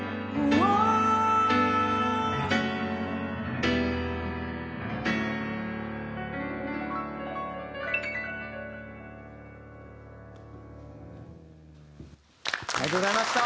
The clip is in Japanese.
「Ｗｏｗ」ありがとうございました！